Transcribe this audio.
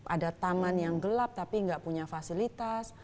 ada taman yang gelap tapi nggak punya fasilitas